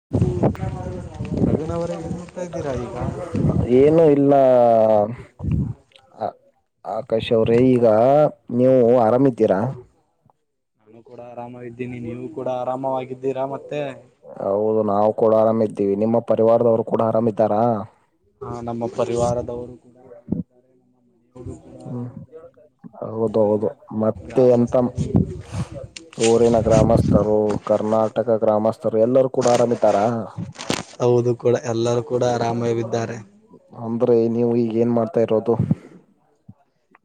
[unintelligible] ಏನ್ ಮಾಡ್ತಾ ಇದ್ದೀರಾ ಈಗ ಏನು ಇಲ್ಲಾ ಆಕಾಶ್ ಅವ್ರೇ ಈಗ ನೀವು ಆರಾಮಿದ್ದೀರಾ ನಾನು ಕೂಡ ಆರಾಮಾಗಿದ್ದೀನಿ ನೀವು ಕೂಡ ಆರಾಮವಾಗಿದ್ದೀರಾ ಮತ್ತೆ ಹೌದು ನಾವು ಕೂಡಾ ಆರಾಮ ಇದ್ದೀವಿ ನಿಮ್ಮ ಪರಿವಾರದವ್ರು ಕೂಡಾ ಆರಾಮಿದ್ದಾರಾ ಹಾ ನಮ್ಮ ಪರಿವಾರದವರು ಕೂಡ [unintelligible] ಹ ಆರಾಮಿದ್ದಾರೆಳಿನ ಹೌದೌದು ಮತ್ತೆ ಎಂತಾ ಗ್ರಾಮಸ್ಥರು ಊರಿನ ಗ್ರಾಮಸ್ಥರು ಕರ್ನಾಟಕ ಗ್ರಾಮಸ್ಥರು ಎಲ್ಲರೂ ಕೂಡಾ ಆರಾಮ ಇದ್ದಾರಾ ಹೌದು ಕೂಡಾ ಎಲ್ಲರೂ ಕೂಡಾ ಆರಾಮಾಗಿದ್ದಾರೆ ಅಂದ್ರೆ ನೀವು ಈಗ ಏನ್ ಮಾಡ್ತಾ ಇರೋದು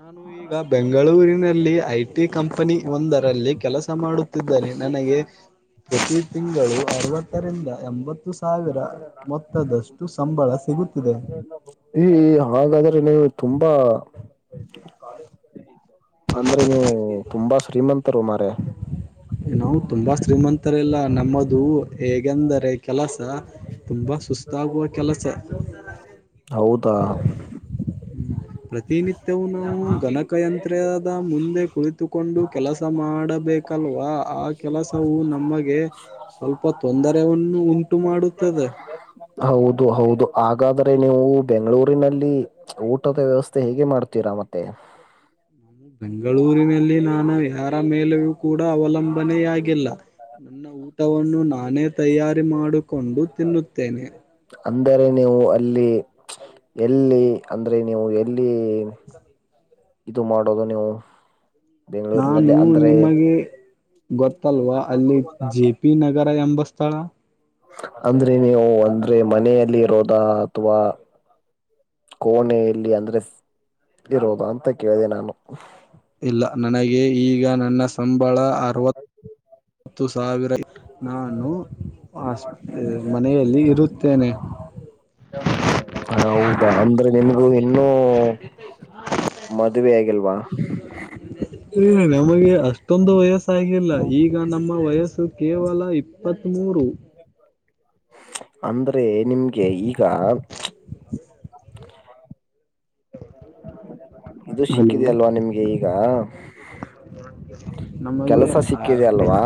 ನಾನು ಈಗ ಬೆಂಗಳೂರಿನಲ್ಲಿ ಐ ಟಿ ಕಂಪನಿ ಒಂದರಲ್ಲಿ ಕೆಲಸ ಮಾಡು ನನಗೆ ಪ್ರತಿ ತಿಂಗಳು ಅರವತ್ತರಿಂದ ಎಂಬತ್ತು ಸಾವಿರ ಮೊತ್ತದಷ್ಟು ಸಂಬಳ ಸಿಗುತ್ತಿದೆ ಈ ಹಾಗಾದ್ರೆ ನೀವು ತುಂಬಾ ಅಂದ್ರೆ ನೀವು ತುಂಬಾ ಶ್ರೀಮಂತರು ಮಾರಯಾ ನಾವು ತುಂಬಾ ಶ್ರೀಮಂತರಿಲ್ಲಾ ನಮ್ಮದು ಹೇಗೆಂದರೆ ಕೆಲಸ ತುಂಬಾ ಸುಸ್ತಾಗುವ ಕೆಲಸ ಹೌದಾ ಹ್ಮ್. ಪ್ರತಿನಿತ್ಯವೂ ನಾವು ಗನಕಯಂತ್ರದ ಮುಂದೆ ಕುಳಿತುಕೊಂಡು ಕೆಲಸ ಮಾಡಬೇಕು ಲ್ವಾ ಆ ಕೆಲಸವು ನಮಗೆ ಸ್ವಲ್ಪ ತೊಂದರೆಯನ್ನ ಉಂಟು ಮಾಡುತ್ತದೆ ಹೌದು ಹೌದು ಹಾಗಾದ್ರೆ ನೀವು ಬೆಂಗಳೂರಿನಲ್ಲಿ ಊಟದ ವ್ಯವಸ್ಥೆ ಹೇಗೆ ಮಾಡ್ತೀರಾ ಮತ್ತೆ ಬೆಂಗಳೂರಿನಲ್ಲಿ ನಾನು ಯಾರ ಮೇಲೆಯೂ ಕೂಡ ಅವಲಂಬನೆಯಾಗಿಲ್ಲಾ ನನ್ನ ಊಟವನ್ನು ನಾನೇ ತಯಾರಿ ಮಾಡಿಕೊಂಡು ತಿನ್ನುತ್ತೇನೆ ಅಂದರೆ ನೀವು ಅಲ್ಲಿ ಎಲ್ಲಿ ಅಂದ್ರೆ ನೀವು ಎಲ್ಲಿ ಇದು ಮಾಡೋದು ನೀವು ಬೆಂಗಳೂರಿನಲ್ಲಿ ನಾನು ಅಂದ್ರೆ ನಿಮಗೆ. ಗೊತ್ತಲ್ವಾ ಅಲ್ಲಿ ಜೆ ಪಿ ನಗರ ಎಂಬ ಸ್ಥಳ. ಅಂದ್ರೆ ನೀವು ಅಂದ್ರೆ ಮನೆಯಲ್ಲಿ ಇರೋದ, ಅಥವಾ ಕೋಣೆಯಲ್ಲಿ ಅಂದ್ರೆ ಇರೋದು ಅಂತ ಕೇಳ್ದೆ ನಾನು. ಇಲ್ಲ ನನಗೆ ಈಗ ನನ್ನ ಸಂಬಳ ಅರವತ್ತು ಸಾವಿರ. ನಾನು ಆಸ್ ಮನೆಯಲ್ಲಿ ಇರುತ್ತೇನೆ. ಹೌದಾ ಅಂದ್ರೆ ನಿಮ್ಗೆ ಇನ್ನೂ, ಮದುವೆ ಆಗಿಲ್ವಾ. ಇಲ್ಲ ನಮಗೆ ಅಷ್ಟೊಂದು ವಯಸ್ಸ ಆಗಿಲ್ಲ. ಈಗ ನಮ್ಮ ವಯಸ್ಸು ಕೇವಲ ಇಪ್ಪತ್ತ್ ಮೂರು. ಅಂದ್ರೆ ನಿಮ್ಗೆ ಈಗ. ಇದು ಹಲೋ ಸಿಕ್ಕಿದೇ ಅಲ್ವಾ ನಿಮ್ಗೆ ಈಗ. [inaudible] ನಮಗೆ ಕೆಲಸ ಆ ಸಿಕ್ಕಿದೆ ಅಲ್ವಾ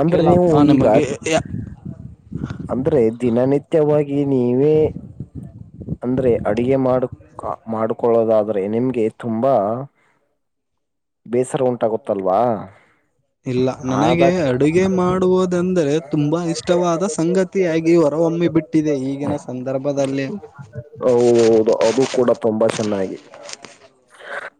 ಅಂದ್ರೆ ನೀವು ಈಗ ನಮಗೆ. ಯಾ ಅಂದ್ರೆ ದಿನನಿತ್ಯವಾಗಿ ನೀವೇ ಅಂದ್ರೆ ಅಡಗೆ ಮಾಡಕ್ ಮಾಡಕೊಳ್ಳೋದಾದ್ರೆ ನಿಮ್ಗೆ ತುಂಬಾ, ಬೇಸರ ಉಂಟಾಗತ್ತಲ್ವಾ. ಇಲ್ಲ ನನಗೆ ಅಡುಗೆ ಮಾಡುವದೆಂದ್ರೆ ತುಂಬಾ ಇಷ್ಟವಾದ ಸಂಗ ತಿಯಾಗಿ ಹೊರಹೊಮ್ಮಿ ಬಿಟ್ಟಿದೆ ಈಗಿನ ಸಂದರ್ಭದಲ್ಲಿ. ಹೌದು ಅದು ಕೂಡ ತುಂಬಾ ಚೆನ್ನಾಗಿ.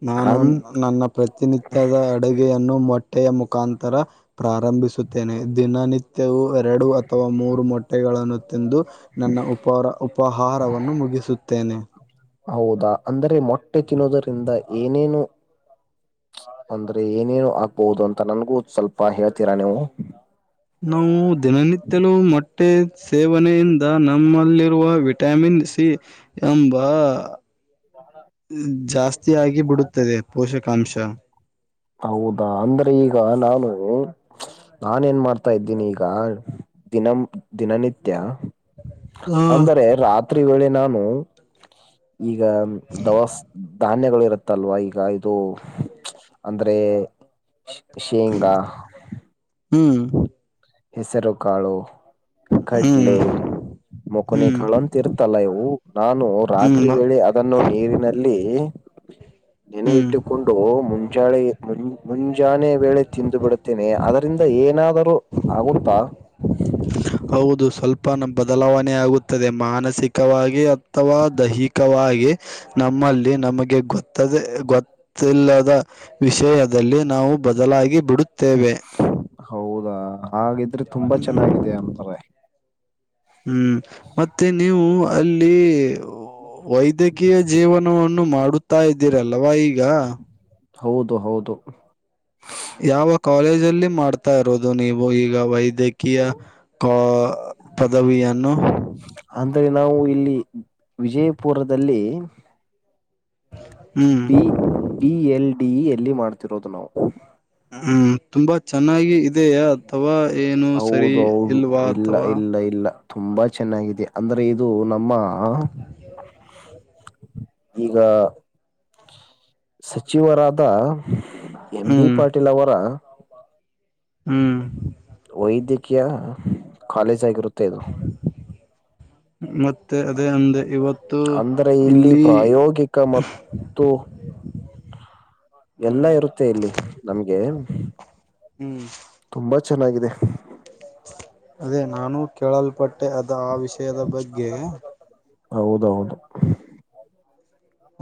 ನಾನು ಅನ್ ನನ್ನ ಪ್ರತಿನಿತ್ಯದ, ಅಡುಗೆಯನ್ನು ಮೊಟ್ಟೆಯ ಮುಖಾಂತರ ಪ್ರಾರಂಭಿಸುತ್ತೇನೆ. ದಿನನಿತ್ಯವು ಎರಡು ಅಥ್ ಅಥವಾ ಮೂರು ಮೊಟ್ಟೆಗಳನ್ನು ತಿಂದು ನನ್ನ ಉಪಾರ ಉಪಾಹಾರವನ್ನು ಮುಗಿಸುತ್ತೇನೆ. ಹೌದಾ ಅಂದ್ರೆ ಮೊಟ್ಟೆ ತಿನ್ನೋದರಿಂದ ಏನೇನು. ಅಂದ್ರೆ ಏನೇನು ಆಗ್ಬಹುದು ಅಂತ ನನ್ಗೂ ಸ್ವಲ್ಪ ಹೇಳ್ತೀರಾ ನೀವು. ನಾವು ದಿನನಿತ್ಯಲೂ ಮೊಟ್ಟೆ ಸೇವನೆಯಿಂದ ನಮ್ಮಲ್ಲಿರುವ ವಿಟಾಮಿನ್ ಸಿ. ಎಂಬ [inaudible] ಜಾಸ್ತಿ ಆಗಿ ಬಿಡುತ್ತದೆ ಪೋಷಕಾಂಶ. ಹೌದಾ ಅಂದ್ರೆ ಈಗ ನಾನು. ನಾನ ಏನ್ ಮಾಡ್ತಾ ಇದ್ದೀನಿ ಈಗ ದಿನ ದಿನನಿತ್ಯ. ಆ ಅಂದರೆ ರಾತ್ರಿ ವೇಳೆ ನಾನು. ಈಗ ದವಸ್ ಧಾನ್ಯಗಳು ಇರುತ್ತಲ್ವಾ ಈಗ ಇದು. ಅಂದ್ರೆ ಶೇಂಗಾ. ಹ್ಮ್. ಹೆಸರು ಕಾಳು. ಹ್ಮ್ ಕಡ್ಲೆ ಮುಕನಿ ಹ್ಮ್ ಕಳಂತ ಇರ್ತಲ್ಲ ಇವು ನಾನು ಹ್ಮ್ ರಾತ್ರಿ ವೇಳೆ ಅದ್ ಅದನ್ನು ನೀರಿನಲ್ಲಿ ನೇನೆ ಹ್ಮ್ ಇಟ್ಟುಕೊಂಡು. ಕೊಂಡು ಮುಂಜಾಳೆ ಮುನ್ ಮುಂಜಾನೆ ವೇಳೆ ತಿಂದು ಬಿಡುತಿನಿ ಅದರಿಂದ ಏನಾದರೂ, ಆಗುತ್ತಾ. ಹೌದು ಸ್ವಲ್ಪ ಬದಲಾವನೆ ಯಾಗುತ್ತದೆ. ಮಾನಸಿಕವಾಗಿ, ಅಥವಾ ದೈಹಿಕವಾಗಿ ನಮ್ಮಲ್ಲಿ ನಮಗೆ ಗೊತ್ತದೆ ಗೊತ್ ತಿಲ್ಲದ ವಿಷಯದಲ್ಲಿ ನಾವು ಬದಲಾಗಿ ಬಿಡುತ್ತೇವೆ. ಹೌದಾ ಹಾಗಿದ್ರೆ ತುಂಬಾ ಹ್ಮ್ ಚೆನ್ನಾಗಿದೆ ಅಂದ್ರೆ. ಹ್ಮ್ ಮತ್ತೆ ನೀವು ಅಲ್ಲಿ ಓ ವೈದ್ಯಕ್ [unintelligible] ಜೀವನವನ್ನು ಮಾಡುತ್ತಾ ಇದ್ದೀರಲ್ವಾ ಈಗ ಹೌದು ಹೌದು ಯಾವ ಕಾಲೇಜಲ್ಲಿ ಮಾಡ್ತಾ ಇರೋದು ನೀವು ಈಗ ವೈದ್ಯಕೀಯ [unintelligible] ಪದವಿಯನ್ನು ಅಂದ್ರೆ ನಾವು ಇಲ್ಲಿ ವಿಜಯಪುರದಲ್ಲಿ ಹ್ಮ್ [unintelligible] ಬಿ ಎಲ್ ಡಿ [unintelligible] ಅಲ್ಲಿ ಮಾಡ್ತಿರೋದು. ಹ್ಮ್ ತುಂಬಾ ಚೆನ್ನಾಗಿ ಇರ್ ಇದೆಯಾ ಅಥವಾ ಏನು ಸರಿ ಹೌದು ಹೌದು ಇಲ್ವಾ ಅಥವಾ [unintelligible] ಇಲ್ಲ ತುಂಬಾ ಚೆನ್ನಾಗಿದೆ ಅಂದ್ರೆ ಇದು ನಮ್ಮ ಈಗ ಸಚಿವರಾದ ಎಂ ಬಿ ಹ್ಮ್ ಪಾಟೀಲ್ ಅವರ ಹ್ಮ್ ವೈದ್ಯಕೀಯ ಕಾಲೇಜ್ ಆಗಿರುತ್ತೆ ಇದು. ಮತ್ತೆ ಅದೇ ಅಂದೆ. ಇವತ್ತು ಅಂದ್ರೆ ಇಲ್ಲಿ ಪ್ರಾಯೋಗಿಕ [unintelligible] ಎಲ್ಲಾ ಹ್ಮ್ ಇರುತ್ತೆ ಇಲ್ಲಿ ನಮ್ಗೆ. ಹ್ಮ್ ತುಂಬ ಚೆನ್ನಾಗಿದೆ. ಅದೇ ನಾನು ಕೇಳಲ್ಪಟ್ಟೆ ಅದ ಆ ವಿಷಯದ ಬಗ್ಗೆ. ಹೌದೌದ್.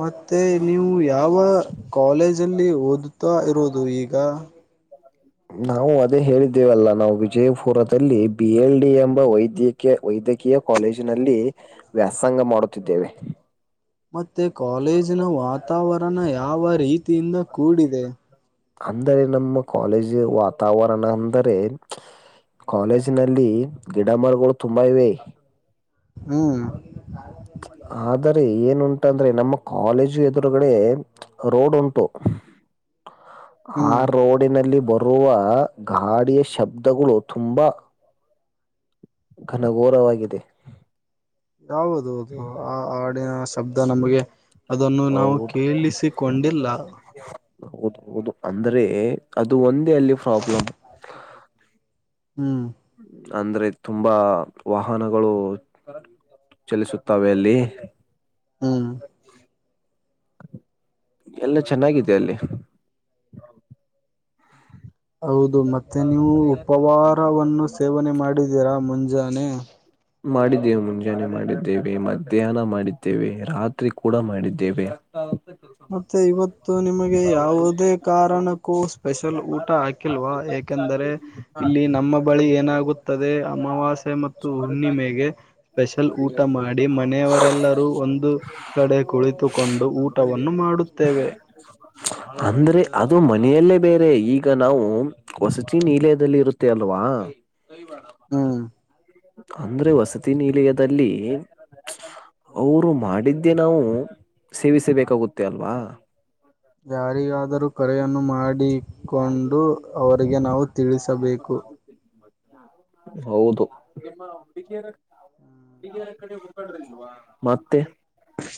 ಮತ್ತೆ ನೀವು ಯಾವ ಕಾಲೇಜಲ್ಲಿ ಓದುತ್ತಾ ಇರೋದು ಈಗ. ನಾವು ಅದೇ ಹೇಳಿದ್ದೇವಲ್ಲಾ ನಾವು ವಿಜಯಪುರದಲ್ಲಿ ಬಿ ಎಲ್ ಡಿ ಎಂಬ ವೈದ್ಯ [unintelligible] ವೈದ್ಯಕೀಯ ಕಾಲೇಜಿನಲ್ಲಿ ವ್ಯಾಸಂಗ ಮಾಡುತ್ತಿದ್ದೇವೆ. ಮತ್ತೆ ಕಾಲೇಜಿನ ವಾತಾವರಣ ಯಾವ ರೀತಿಯಿಂದ ಕೂಡಿದೆ. ಅಂದರೆ ನಮ್ಮ ಕಾಲೇಜು ವಾತಾವರಣ ಅಂದರೆ ಕಾಲೇಜಿನಲ್ಲಿ ಗಿಡ ಮರಗಳು ತುಂಬಾ ಇವೆ. ಹ್ಮ್ [unintelligible] [unintelligible] ಏನುಂಟ ಅಂದ್ರೆ ನಮ್ಮ ಕಾಲೇಜು ಎದುರುಗಡೆ ರೋಡ್ ಉಂಟು ಆ ಹ್ಮ್ ರೋಡಿನಲ್ಲಿ ಬರುವ ಗಾಡಿಯ ಶಬ್ದಗಳು ತುಂಬ ಘನಘೋರವಾಗಿ ಹೌದು [unintelligible] ಆ ಹಾಡಿನ ಶಬ್ದ ನಮಗೆ. ಅದನ್ನು ನಾವು ಹೌದು ಕೇಳಿಸಿಕೊಂಡಿಲ್ಲ. ಹೌದು ಹೌದು ಅಂದ್ರೆ ಅದು ಒಂದೇ ಅಲ್ಲಿ ಪ್ರಾಬ್ಲಮ್. ಹ್ಮ್ ಅಂದ್ರೆ ತುಂಬಾ ವಾಹನಗಳು ಚಲಿಸುತ್ತವೆ ಅಲ್ಲಿ. ಹ್ಮ್ ಎಲ್ಲ ಚೆನ್ನಾಗಿದೆ ಅಲ್ಲಿ. ಹೌದು ಮತ್ತೆ ನೀವು ಉಪವಾರವನ್ನು ಸೇವನೆ ಮಾಡಿದ್ದೀರಾ ಮುಂಜಾನೆ. ಮಾಡಿದ್ದೇವೆ ಮುಂಜಾನೆ ಮಾಡಿದ್ದೇವೆ ಮಧ್ಯಾಹ್ನ ಮಾಡಿದ್ದೇವೆ ರಾತ್ರಿ ಕೂಡ ಮಾಡಿದ್ದೇವೆ. [unintelligible] ಮತ್ತೆ ಇವತ್ತು ನಿಮಗೆ ಯಾವುದೇ ಕಾರಣಕ್ಕೂ ಸ್ಪೆಷಲ್ ಊಟ [unintelligible] ಕಿಲ್ವಾ ಏಕೆಂದರೆ ಇಲ್ಲಿ ನಮ್ಮ ಬಳಿ ಏನಾಗು ಅಮಾವಾಸ್ಯೆ ಮತ್ತು ಸುಮಾರಾಗಿ ಹುಣ್ಣಿಮೆಗೆ. ಸ್ಪೆಷಲ್ ಊಟ ಒಳ್ಳೆಯ ಮಾಡಿ ಕೆಲಸ ಮನೆಯವರೆಲ್ಲರೂ ಒಂದು ಕಡೆ ಕುಳಿತುಕೊಂಡು ಊಟ. ಮಾಡುತ್ತೇವೆ. ಅಂದ್ರೆ ಅದು ಮನೆಯಲ್ಲೇ ಬೇರೆ ಈಗ ನಾವು. ವಸತಿ ನಿಲಯಲದಲ್ಲಿ ಇರುತ್ತೆ ಅಲ್ವಾ. ಹ್ಮ್ ಅಂದ್ರೆ ವಸತಿ ನಿಲಯದಲ್ಲಿ. ಅವರು ಮಾಡಿದ್ದೇ ನಾವು ಸೇವಿಸಬೇಕಾಗುತ್ತೆ ಅಲ್ವಾ. ಯಾರಿಗಾದರೂ ಕರೆಯನ್ನು ಮಾಡಿಕೊಂಡು ಅವರಿಗೆ ನಾವು ತಿಳಿಸಬೇಕು. ಹೌದು ಮತ್ತೆ.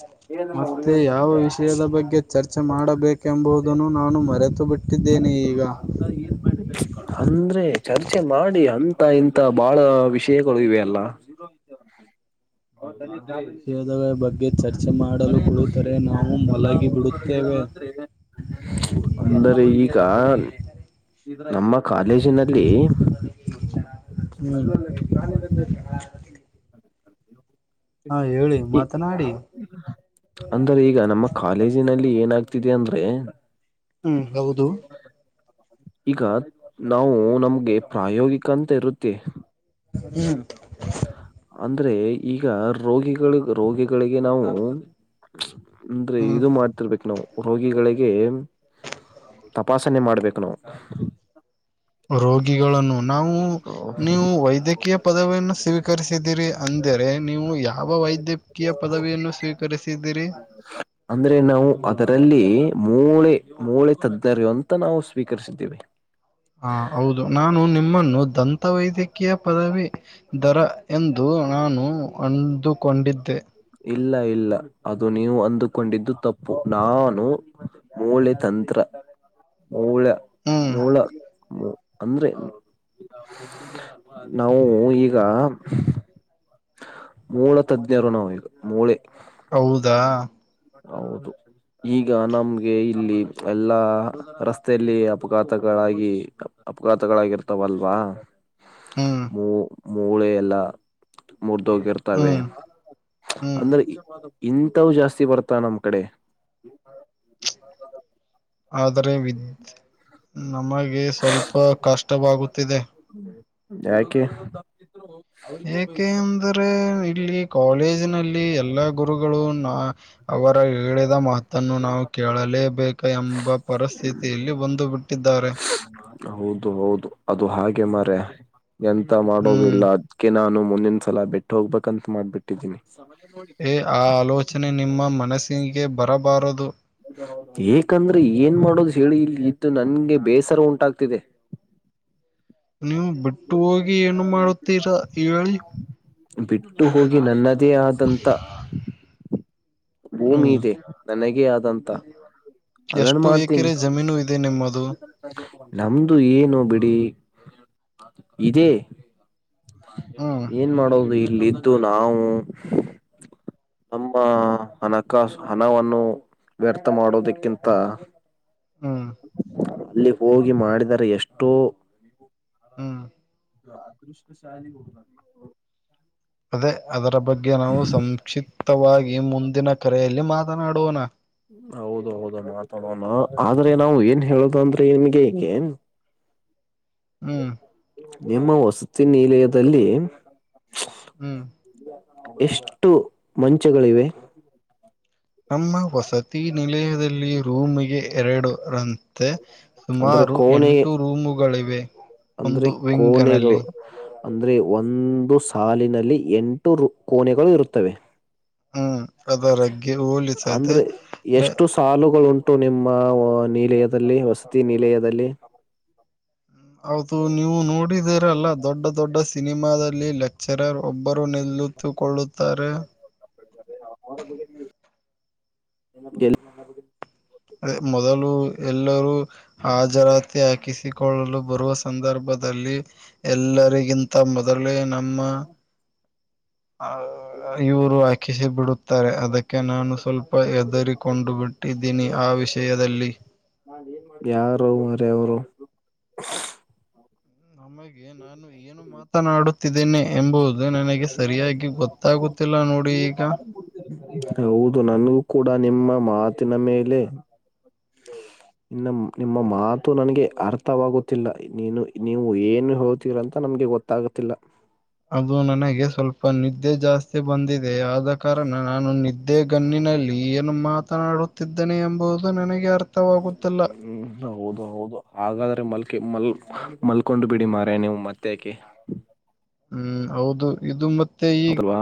[inaudible] ಮತ್ತೆ ಯಾವ ವಿಷಯದ ಬಗ್ಗೆ ಚರ್ಚೆ ಮಾಡಬೇಕೆಂಬುದನ್ನು ನಾನು ಮರೆತು ಬಿಟ್ಟ. [inaudible] ಅಂದ್ರೆ ಚರ್ಚೆ ಮಾಡಿ ಅಂತ ಇಂತ ಬಾಳ ವಿಷಯಗಳು ಇವೆ ಅಲ್ಲ. [unintelligible] ವಿಷಯದ ಬಗ್ಗೆ. ಚರ್ಚೆ ಮಾಡಲು ಕುಡಿತರೆ ನಾವು ಮಲಗಿ ಬಿಡುತ್ತೇವೆ. ಅಂದರೆ ಈಗ. ನಮ್ಮ ಕಾಲೇಜಿನಲ್ಲಿ. ಹ್ಮ್ ಹಾ ಹೇಳಿ ಈ ಮಾತನಾಡಿ. ಅಂದ್ರೆ ಈಗ ನಮ್ಮ ಕಾಲೇಜಿನಲ್ಲಿ ಏನಾಗ್ತಿದೆ ಅಂದ್ರೆ. ಹ್ಮ್ ಹೌದು ಈಗ ನಾವು ನಮ್ಗೆ ಪ್ರಾಯೋಗಿಕ ಅಂತ ಇರುತ್ತೆ. ಹ್ಮ್ ಅಂದ್ರರೆ ಈಗ ರೋಗಿಗಳು ರೋಗಿಗಳಿಗೆ ನಾವು. ಅಂದ್ರೀ ಹ್ಮ್ ಇದು ಮಾಡ್ತಿರ್ಬೇಕಕ್ ನಾವು. ರೋಗಿಗಳಿಗೆ ತಪಾಸಣೆ ಮಾಡ್ಬೇಕು ನಾವು. ರೋಗಿಗಳನ್ನು ನಾವು. ನೀವು ವೈದ್ಯಕೀಯ ಪದವಿಯನ್ನು ಸ್ವೀಕರಿಸಿದೀರಿ ಅಂದರೆ ನೀವು ಯಾವ ವೈದ್ಯ. ಕೀಯ ಪದವಿಯನ್ನು ಸ್ವೀಕರಿಸಿದ್ದಿರಿ ಅಂದ್ರೆ ನಾವು ಅದರಲ್ಲಿ ಮೂಳೆ ಮೂಳೆ ತಜ್ಞರು ಅಂತ ನಾವು ಸ್ವೀಕರಿಸಿದ್ದೇವೆ. ಹಾ ಹೌದು ನಾನು ನಿಮ್ಮನ್ನು ದಂತ ವೈದ್ಯಕೀಯ ಪದವಿ ದರ ಎಂದು. ನಾನು ನಿಮನ್ನು ಅಂದುಕೊಂಡಿದ್ದೆ. ಇಲ್ಲ ಇಲ್ಲ ಅದು ನೀವು ಅಂದುಕೊಂಡಿದ್ದು ತಪ್ಪು ನಾನು. ಮೂಳೆ ತಂತ್ರ ಮೂಳೆ ಹ್ಮ್ ಮೂಳ ಮೂ. ಅಂದ್ರೆ ನಾವು ಈಗ. ಮೂಳೆ ತಜ್ಞರು ನಾವು ಈಗ ಮೂಳೆ. ಹೌದಾ [inaudible] ಈಗ ನಮ್ಗೆ ಇಲ್ಲಿ ಎಲ್ಲಾ ರಸ್ತೆಯಲ್ಲಿ ಅಪಘಾತಗಳಾಗಿ. ಅಪಘಾತಗಳಾಗಿರ್ತಾವಲ್ವಾ ಹ್ಮ್ ಮೂ ಮೂಳೆ ಎಲ್ಲ. ಮುರಿದುಹೊಗಿರ್ತವೆ ಹ್ಮ್ ಹ್ಮ್ ಅಂದ್ರೆ ಇಂಥವು ಜಾಸ್ತಿ ಬರ್ತ. ನಮ್ಮ ಕಡೆ. ಆದರೆ ವಿದ್ ನಮಗೆ ಸ್ವಲ್ಪ ಕಷ್ಟವಾಗುತ್ತಿದೆ. ಯಾಕೆ. ಏಕೆ ಅಂದರೆ ಇಲ್ಲಿ ಕಾಲೇಜಿನಲ್ಲಿ ಎಲ್ಲಾ ಗುರುಗಳು ನಾ. ಅವರ ಹೇಳಿದ ಮಾತನ್ನು ನಾವು ಕೇಳಲೇಬೇಕ ಎಂಬ ಪರಿಸ್ಥಿತಿಯಲ್ಲಿ ಒಂದು ಬಿ ಟ್ಟಿದ್ದಾರೆ. ಹೌದು ಹೌದು ಅದು ಹಾಗೆ ಮಾರ ಎಂತ ಹ್ಮ್ ಮಾಡೋದಿಲ್ಲ ಅದ್ಕೆ ನಾನು ಮುಂದಿನಸಲ ಬಿಟ್ಟ ಹೋಗ್ಬೇಕಂತ ಮಾಡ್ಬಿಟ್ಟಿದ್ದೀನಿ. ಏ ಆ ಆಲೋಚನೆ ನಿಮ್ಮ ಮನಸ್ಸಿಗೆ ಬರಬಾರದು. ಏಕಂದ್ರೆ ಏನ್ ಮಾಡೋದು ಹೇಳಿ ಇಲ್ಲಿ ಇದ್ದು ನನ್ಗೆ ಬೇಸರ ಉಂಟಾಗ್ತಿದೆ. ನೀವು ಬಿಟ್ಟು ಹೋಗಿ ಏನು ಮಾಡುತ್ತೀರಾ ಹೇಳಿ. ಬಿಟ್ಟು ಹೋಗಿ ನನ್ನದೇ ಆದಂಥ. ಭೂಮಿ ಹ್ಮ್ ಇದೆ ನನಗೇ ಆದಂತ ಅದನ್ ಮಾಡ್ತೀನಿ. ದೇ ನಿಮ್ಮದು ನಮ್ದು ಏನು ಬಿಡಿ ಇದೇ. ಹ್ಮ್ ಏನ್ ಮಾಡೋದು ಇಲ್ಲಿದ್ದು ನಾವು. ನಮ್ಮ ಹಣಕಾಸು ಹಣವನ್ನು ವ್ಯರ್ಥ ಮಾಡೋದಕ್ಕಿಂತ. ಹ್ಮ್ ಅಲ್ಲಿ ಹೋಗಿ ಮಾಡಿದರೆ ಎಷ್ಟೋ. ಹ್ಮ ಅದೃಷ್ಟ ಶಾಲಿ [unintelligible] ಕೊಡ ಅದೇ ಅದರ ಬಗ್ಗೆ ನಾವು ಸಂಕ್ಷಿಪ್ತವಾಗಿ ಮುಂದಿನ ಕರೆಯಲ್ಲಿ ಮಾತನಾಡೋಣ. ಹೌದು ಹೌದು ಮಾತಾಡೋಣ ಆದ್ರೆ ನಾವು ಏನ್ ಹೇಳುದ ಅಂದ್ರೆ ನಿಮ್ಗೆ ಏಕೇನ. ಹ್ಮ್ ನಿಮ್ಮ ವಸತಿ ನಿಲಯದಲ್ಲಿ. ಹ್ಮ್ ಎಷ್ಟು ಮಂಚಗಳಿವೆ. ನಮ್ಮ ವಸತಿ ನಿಲಯದಲ್ಲಿ ರೂಮ್ಗೆ ಎರಡು ರನ್. ದೆ ಅಂದ್ರೆ ಸುಮಾರು ಕೋಣೆ ಎಂಟು ರೂಮುಗಳಿವೆ ಅಂದ್ರೆ ಒಂದು ವಿಂಗನಲ್ಲಿ. ಕೋಣೆಗಳು ಅಂದ್ರೆ ಒಂದು ಸಾಲಿನಲ್ಲಿ ಎಂಟು ರೂ ಕೋನೆೆಗಳು ಇರುತ್ತವೆ. ಹ್ಮ್ ಅದರಗ್ಗೆ ಹೋಲಿಸದ ಹಾಲುಗಳುಂಟು ನಿಮ್ಮ ನಿಲಯದಲ್ಲಿ ವಸತಿ ನಿಲಯದಲ್ಲಿ. ಹೌದು ನೀವು ನೋಡಿದಿರಲ್ಲ ದೊಡ್ಡ ದೊಡ್ಡ ಸಿನಿಮಾದಲ್ಲಿ ಲೆಕ್ಚರರ್ ಒಬ್ಬರು ನಿಲ್ಲು ತ್ತುಕೊಳ್ಳುತ್ತಾರೆ. [unintelligible] ಮೊದಲು ಎಲ್ಲರೂ ಹಾಜರಾತಿ ಹಾಕಿಸಿಕೊಳ್ಳಲು ಬರುವ. ಸಂದರ್ಭದಲ್ಲಿ ಎಲ್ಲರಿಗಿಂತ ಮೊದಲೇ ನಮ್ಮ. ಆ ಇವರು ಹಾಕಿಸಿ ಬಿಡುತ್ತಾರೆ ಅದಕ್ಕೆ ನಾನು ಸ್ವಲ್ಪ ಹೆದರಿಕೊಂಡು ಬಿಟ್ಟ. ಟ್ಟಿದ್ದೀನಿ ಆ ವಿಷಯದಲ್ಲಿ. ಯಾರೊ ಮಾರಾಯ ಅವ್ರು. ನಮಗೆ ನಾನು ಏನು ಮಾತನಾಡುತ್ತಿದೇನೆ ಎಂಬುದು. ಅದು ನನಗೆ ಸರಿಯಾಗಿ ಗೊತ್ತಾಗುತ್ತಿಲ್ಲ ನೋಡಿ ಈಗ. ಹೌದು ನನಗೂ ಕೂಡ ನಿಮ್ಮ ಮಾತಿನ ಮೇಲೆ. ಇನ್ನ ನಿಮ್ಮ ಮಾತು ನನಗೆ ಅರ್ಥವಾಗುತ್ತಿಲ್ಲ ನೀನು ನೀವು ಏನು ಹೇಳುತ್ತೀರಾ ಅಂತ ನಮಗೆ ಗೊತ್ತ ತಾಗತ್ತಿಲ್ಲ. ಅದು ನನಗೆ ಸ್ವಲ್ಪ ನಿದ್ದೆ ಜಾಸ್ತಿ ಬಂದಿದೆ ಆದ ಕಾರಣ ನಾನು ನಿದ್ದೆ ದ್ದೇ ಗಣ್ಣಿನಲ್ಲಿ ಏನು ಮಾತನಾಡುತ್ತಿದ್ದನೆ ಎಂಬುದು ನನಗೆ ಅರ್ಥ ಹ್ಮ ಹೌದು ಹೌದು ಹಾಗಾದ್ರೆ ಮಲ್ಕೆ ಮಲ್ ಮಲ್ಕೊಂಡು ಬಿಡಿ ಮಾರಯ ನೀವು ಮತ್ತೆಕೆ. ಹ್ಮ್ ಹೌದು ಇದು ಮತ್ತೆ. ಈಗ ಹೌದಲ್ವಾ